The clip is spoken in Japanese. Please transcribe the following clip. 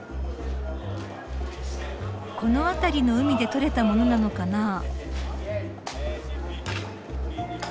この辺りの海で取れた物なのかな。